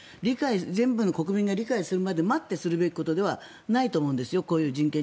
全部の国民が理解するまで待ってすべきことではないと思うんですよ。